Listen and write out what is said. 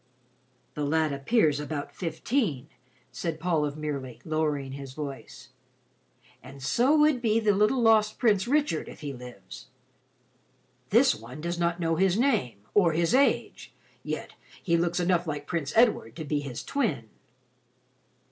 "The lad appears about fifteen," said Paul of Merely, lowering his voice, "and so would be the little lost Prince Richard, if he lives. This one does not know his name, or his age, yet he looks enough like Prince Edward to be his twin."